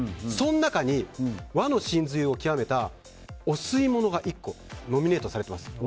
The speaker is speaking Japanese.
その中に和の神髄を極めたお吸い物が１個ノミネートされています。